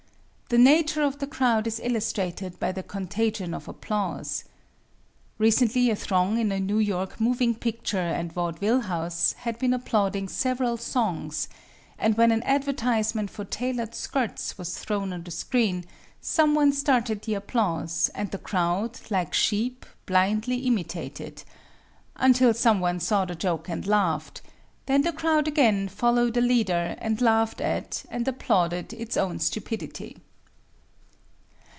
The nature of the crowd is illustrated by the contagion of applause. Recently a throng in a New York moving picture and vaudeville house had been applauding several songs, and when an advertisement for tailored skirts was thrown on the screen some one started the applause, and the crowd, like sheep, blindly imitated until someone saw the joke and laughed; then the crowd again followed a leader and laughed at and applauded its own stupidity.